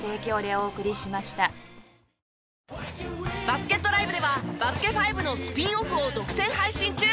バスケットＬＩＶＥでは『バスケ☆ＦＩＶＥ』のスピンオフを独占配信中！